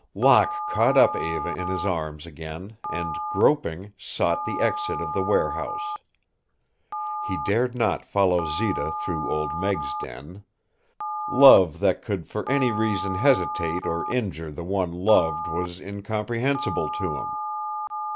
Locke caught up Eva in his arms again and, groping, sought the exit of the warehouse. He dared not follow Zita through Old Meg's den. Love that could for any reason hesitate or injure the one loved was incomprehensible to him.